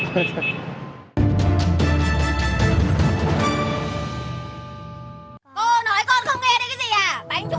cô nói con không nghe đây cái gì à